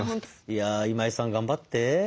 いや今井さん頑張って。